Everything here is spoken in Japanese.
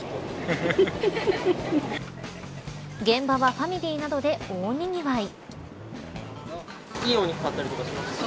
現場はファミリーなどで大にぎわい。